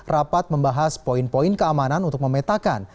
rapat membahas poin poin keamanan untuk memetakan